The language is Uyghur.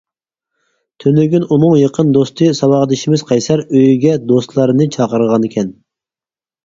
تۈنۈگۈن ئۇنىڭ يېقىن دوستى-ساۋاقدىشىمىز قەيسەر ئۆيىگە دوستلارنى چاقىرغانىكەن.